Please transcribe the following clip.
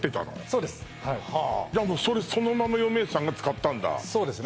そうですはいじゃあもうそれそのまま養命酒さんが使ったんだそうですね